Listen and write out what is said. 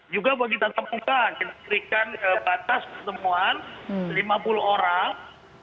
juga bagi tatap muka kita berikan batas pertemuan lima puluh orang